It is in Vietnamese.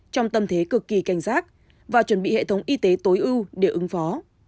trong tâm thế cực kỳ cảnh giác và chuẩn bị hệ thống y tế tối ưu để ứng phó